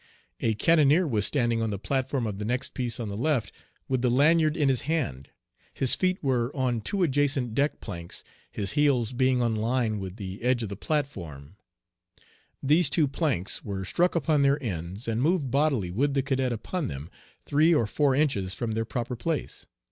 A cannoneer was standing on the platform of the next piece on the left with the lanyard in his hand. His feet were on two adjacent deck planks, his heels being on line with the edge of the platform. These two planks were struck upon their ends, and moved bodily, with the cadet upon them, three or four inches from their proper place.